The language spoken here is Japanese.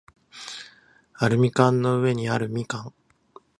アルミ缶の上にある蜜柑